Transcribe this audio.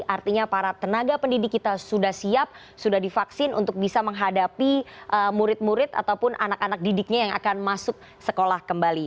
artinya para tenaga pendidik kita sudah siap sudah divaksin untuk bisa menghadapi murid murid ataupun anak anak didiknya yang akan masuk sekolah kembali